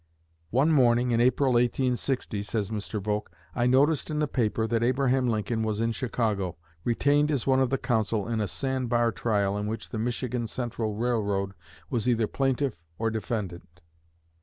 "One morning in April, 1860," says Mr. Volk, "I noticed in the paper that Abraham Lincoln was in Chicago, retained as one of the counsel in a 'Sand bar' trial in which the Michigan Central Railroad was either plaintiff or defendant.